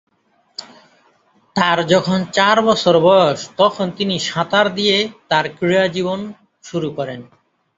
তার যখন চার বছর বয়স তখন তিনি সাঁতার দিয়ে তার ক্রীড়া জীবন শুরু করেন।